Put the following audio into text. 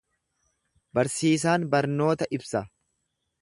Barsiisaan barnoota ibsa.